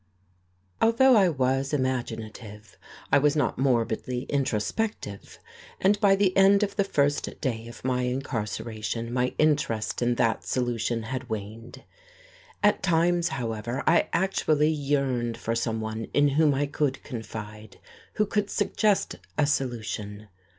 Although I was imaginative, I was not morbidly introspective, and by the end of the first day of my incarceration my interest in that solution had waned. At times, however, I actually yearned for someone in whom I could confide, who could suggest a solution.